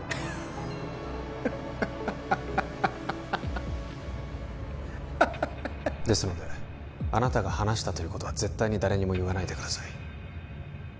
ハッハッハッハッハッですのであなたが話したということは絶対に誰にも言わないでください